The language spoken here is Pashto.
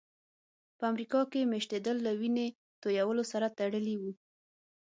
په امریکا کې مېشتېدل له وینې تویولو سره تړلي وو.